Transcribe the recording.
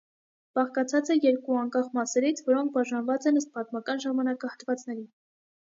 Բաղկացած է երկու անկախ մասերից, որոնք բաժանված են ըստ պատմական ժամանակահատվածների։